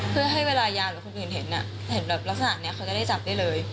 เพื่อให้เวลายาหรือคนอื่นเห็นแบบลักษณะนี้เขาจะได้จับได้เลย